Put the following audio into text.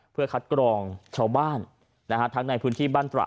เพื่อคัดกรองชาวบ้านทั้งในพื้นที่บ้านตระ